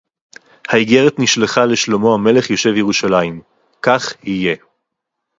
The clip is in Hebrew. הָאִגֶּרֶת נִשְׁלְחָה לִשְׁלֹמֹה הַמֶּלֶךְ יוֹשֵׁב יְרוּשָׁלַיִם. כָּךְ יִהְיֶה.